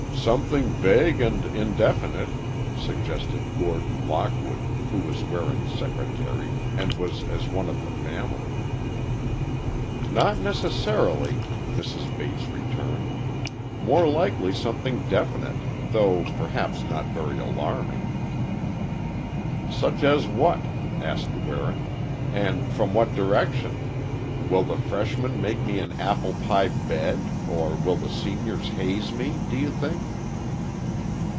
"Something vague and indefinite," suggested Gordon Lockwood, who was Waring's secretary, and was as one of the family. "Not necessarily," Mrs. Bates returned; "more likely something definite, though perhaps not very alarming." "Such as what?" asked Waring, "and from what direction? Will the freshmen make me an apple pie bed, or will the seniors haze me, do you think?"